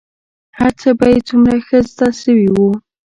هرڅه به يې څومره ښه زده سوي وو.